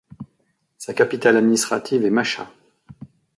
Sa capitale administrative était Masha.